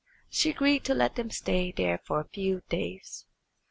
She agreed to let them stay there for a few days.